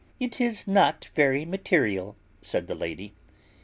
It is not very material, said the lady.